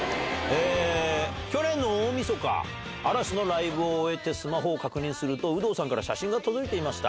去年の大みそか、嵐のライブを終えてスマホを確認すると、有働さんから写真が届いていました。